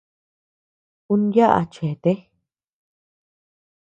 Un yaʼa cheete.